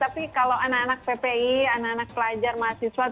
tapi kalau anak anak ppi anak anak pelajar mahasiswa